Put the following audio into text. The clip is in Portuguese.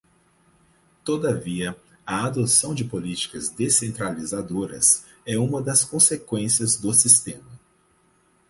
Todavia, a adoção de políticas descentralizadoras é uma das consequências do sistema